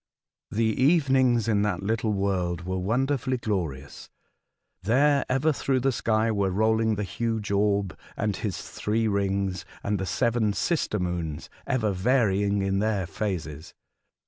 The evenings in that little world were wonderfully glorious. There, ever through the sky, were rolling the huge orb and his three rings, and the seven sister moons ever varying in their phases.